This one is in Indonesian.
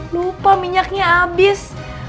lupa minyaknya abis